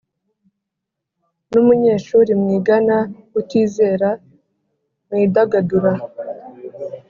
N Umunyeshuri Mwigana Utizera Mwidagadura